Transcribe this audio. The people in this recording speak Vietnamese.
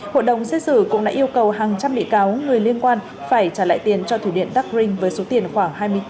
hội đồng xét xử cũng đã yêu cầu hàng trăm bị cáo người liên quan phải trả lại tiền cho thủy điện đắc rinh với số tiền khoảng hai mươi tỷ đồng